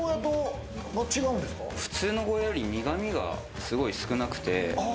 普通のゴーヤより苦味が少なくて。